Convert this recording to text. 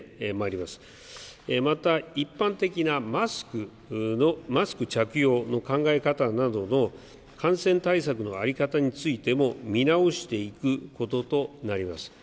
また一般的なマスクの着用の考え方などの感染対策の在り方についても見直していくこととなります。